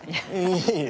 いえいえ